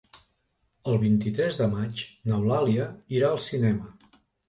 El vint-i-tres de maig n'Eulàlia irà al cinema.